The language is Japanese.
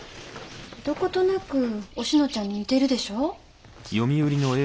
どことなくおしのちゃんに似てるでしょ？